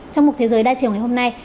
trong một thế giới đa chiều ngày hôm nay